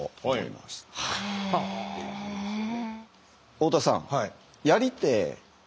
太田さん。